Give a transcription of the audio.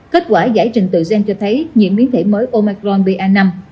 kết quả giải trình tự gen cho thấy nhiễm biến thể mới omacron ba năm